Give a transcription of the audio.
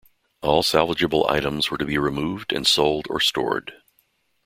All salvageable items were to be removed and sold or stored.